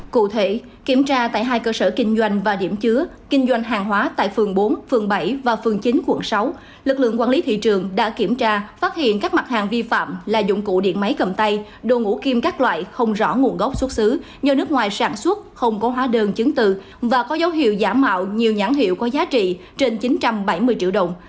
cụ thể kiểm tra tại hai cơ sở kinh doanh và điểm chứa kinh doanh hàng hóa tại phường bốn phường bảy và phường chín quận sáu lực lượng quản lý thị trường đã kiểm tra phát hiện các mặt hàng vi phạm là dụng cụ điện máy cầm tay đồ ngũ kim các loại không rõ nguồn gốc xuất xứ do nước ngoài sản xuất không có hóa đơn chứng tự và có dấu hiệu nhãn hiệu có giá trị trên chín trăm bảy mươi triệu đồng